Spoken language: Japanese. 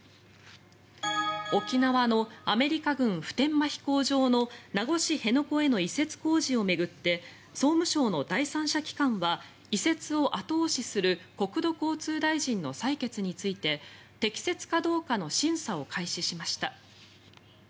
沖縄のアメリカ軍普天間飛行場の名護市辺野古への移設工事を巡って総務省の第三者機関は移設を後押しする国土交通大臣の裁決について適切かどうかの審査を開始しました。